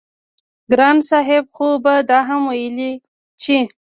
ګران صاحب خو به دا هم وييل چې